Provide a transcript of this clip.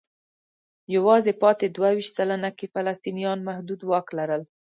یوازې پاتې دوه ویشت سلنه کې فلسطینیان محدود واک لري.